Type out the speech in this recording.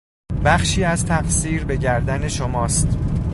بخشی از تقصیر به گردن شماست.